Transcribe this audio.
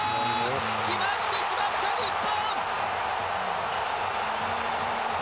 決まってしまった、日本！